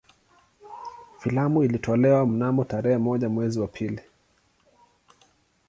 Filamu ilitolewa mnamo tarehe moja mwezi wa pili